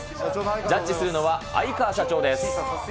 ジャッジするのは、藍川社長です。